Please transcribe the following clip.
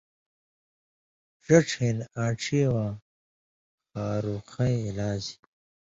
ڙڇھہۡ ہِن آنڇھی واں خارُخَیں علاج